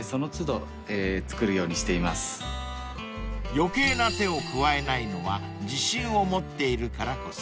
［余計な手を加えないのは自信を持っているからこそ］